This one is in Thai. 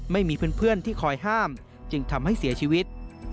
ไม่มีเพื่อนที่คอยห้ามจึงทำให้เสียชีวิต